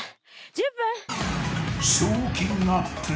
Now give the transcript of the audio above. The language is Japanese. １０分！？